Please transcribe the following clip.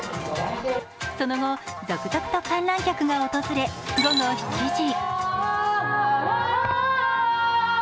その後、続々と観覧客が訪れ午後７時。